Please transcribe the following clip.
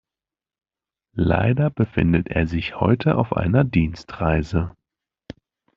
Leider befindet er sich heute auf einer Dienstreise.